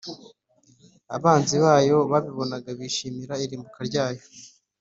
abanzi bayo babibonaga, bishimira irimbuka ryayo.